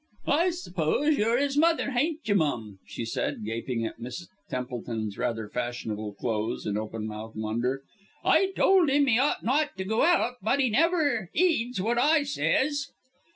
"I suppose you're 'is mother hain't you, mum?" she said, gaping at Miss Templeton's rather fashionable clothes in open mouthed wonder. "I told 'im 'ee ought not to go out, but 'ee never 'eeds what I says."